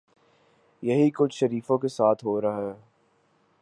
یہی کچھ شریفوں کے ساتھ ہو رہا ہے۔